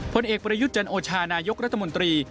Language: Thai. ผลเอกประยุทธ์จันโอชานายกรัฐมนตรี